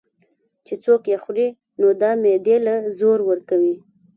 چې څوک ئې خوري نو دا معدې له زور ورکوي